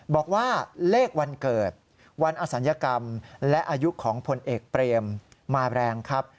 บอกว่าเลขวันเกิดวันอศัลยกรรมและอายุของผลเอกเปรมมาแรงครับ